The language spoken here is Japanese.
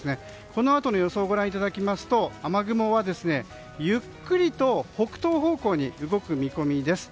このあとの予想をご覧いただくと雨雲はゆっくりと北東方向に動く見込みです。